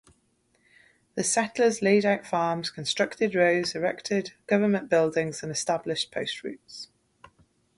The settlers laid out farms, constructed roads, erected government buildings and established post routes.